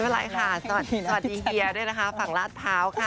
อะไรค่ะสวัสดีเฮียด้วยนะคะฝั่งลาดพร้าวค่ะ